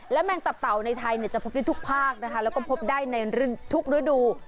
แมงตับเต่าในไทยจะพบได้ทุกภาคนะคะแล้วก็พบได้ในทุกฤดู